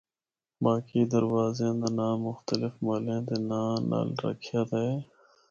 باقی دروازیاں دا ناں مختلف محلیاں دے ناں نال رکھیا دا ہے۔